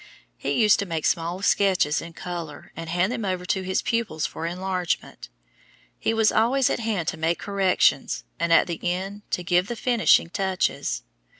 He used to make small sketches in color and hand them over to his pupils for enlargement. He was always at hand to make corrections and, at the end, to give the finishing touches.